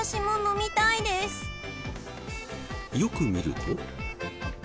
よく見ると。